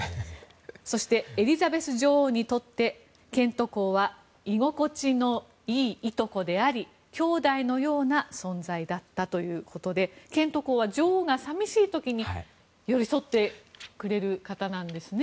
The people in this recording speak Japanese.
そして、エリザベス女王にとってケント公は居心地のいいいとこでありきょうだいのような存在だったということでケント公は女王が寂しい時に寄り添ってくれる方なんですね。